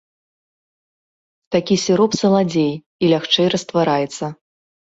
Такі сіроп саладзей і лягчэй раствараецца.